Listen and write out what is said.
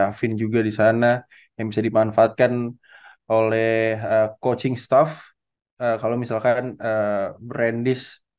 afin juga disana yang bisa dimanfaatkan oleh coaching staff kalau misalkan brandis